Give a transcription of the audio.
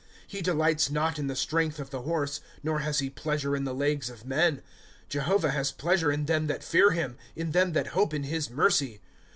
" He delights not in the strength of the horse. Nor has he pleasure iii the legs of men. " Jehovah has pleasure in them that fear him, In them that hope in his mercy.